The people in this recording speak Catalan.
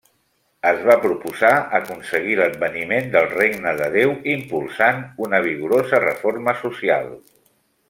Es va proposar aconseguir l'adveniment del Regne de Déu impulsant una vigorosa reforma social.